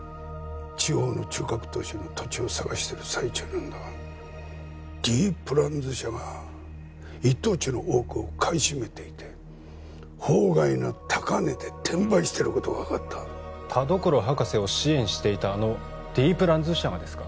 地方の中核都市の土地を探してる最中なんだがＤプランズ社が一等地の多くを買い占めていて法外な高値で転売してることが分かった田所博士を支援していたあのＤプランズ社がですか？